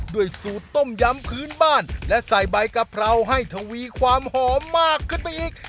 สูตรต้มยำพื้นบ้านและใส่ใบกะเพราให้ทวีความหอมมากขึ้นไปอีก